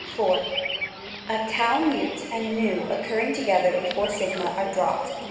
A Tau Mute and v occurring together before a are dropped.